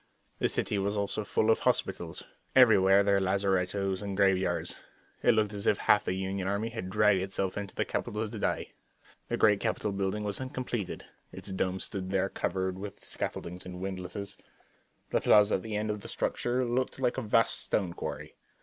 The city was also full of hospitals; everywhere there were lazarettos and graveyards. It looked as if half the Union army had dragged itself into the capital to die. The great Capital building was uncompleted; its dome stood there covered with scaffoldings and windlasses. The plaza at the east end of the structure looked like a vast stone quarry.